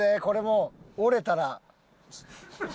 これもう折れたら。